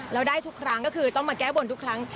แล้วได้ทุกครั้งก็คือต้องมาแก้บนทุกครั้ง